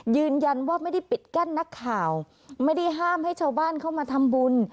ยืนยันว่าไม่ได้ปิดกั้นนักข่าวไม่ได้ห้ามให้ชาวบ้านเข้ามาทำบุญ